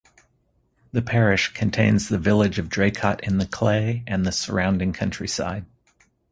The parish contains the village of Draycott in the Clay and the surrounding countryside.